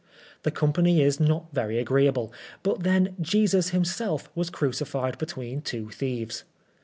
The company is not very agreeable, but then Jesus himself was crucified between two thieves.